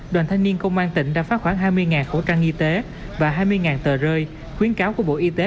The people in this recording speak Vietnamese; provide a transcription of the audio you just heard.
đoàn thanh niên công an tỉnh đã phát khoảng hai mươi khẩu trang y tế và hai mươi tờ rơi khuyến cáo của bộ y tế